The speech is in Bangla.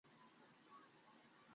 এখন ও শ্রুতিকে অপহরণ করেছে।